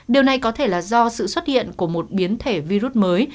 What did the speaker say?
điều này có thể là do sự xuất hiện của một biến thể virus mới